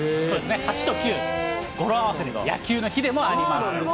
８と９、語呂合わせで、やきゅうの日でもあります。